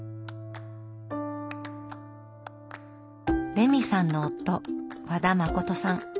レミさんの夫和田誠さん。